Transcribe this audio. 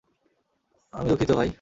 আমি দুঃখিত, ভাই।